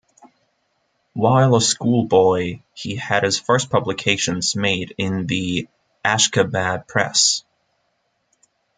While a schoolboy, he had his first publications made in the Ashkhabad press.